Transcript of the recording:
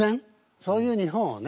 そういう日本をね